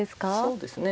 そうですね。